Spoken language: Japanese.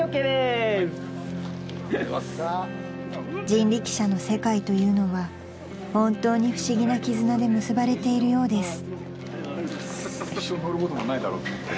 ［人力車の世界というのは本当に不思議な絆で結ばれているようです］